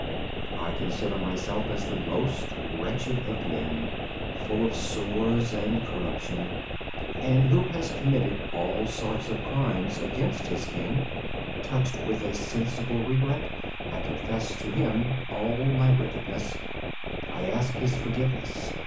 I consider myself as the most wretched of men. I am full of faults, flaws, and weaknesses, and have committed all sorts of crimes against his King. Touched with a sensible regret I confess all my wickedness to Him. I ask His forgiveness.